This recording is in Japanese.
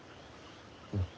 うん。